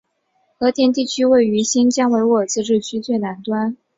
和田地区位于新疆维吾尔自治区最南端。